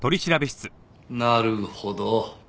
なるほど。